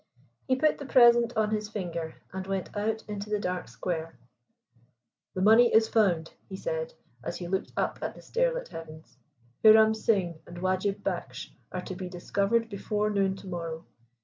He put the present on his finger and went out into the dark square. "The money is found," he said, as he looked up at the starlit heavens. "Hiram Singh and Wajib Baksh are to be discovered before noon to morrow.